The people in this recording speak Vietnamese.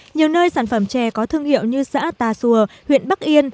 nhiều nơi sản phẩm trẻ có thương hiệu như xã ta sùa huyện bắc yên